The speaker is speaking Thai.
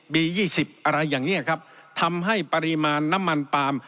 ๒๐อะไรอย่างนี้ครับทำให้ปริมาณน้ำมันปาล์ม